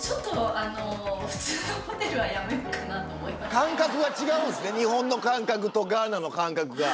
感覚が違うんすね日本の感覚とガーナの感覚が。